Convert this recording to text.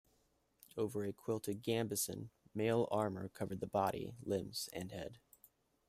Over a quilted gambeson, mail armour covered the body, limbs and head.